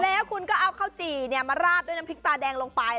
แล้วคุณก็เอาข้าวจี่มาราดด้วยน้ำพริกตาแดงลงไป